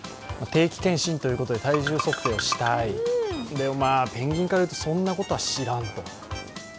定期検診ということで、体重測定をしたい、でもペンギンからいうとそんなことは知らんと。